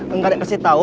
enggak ada yang kasih tau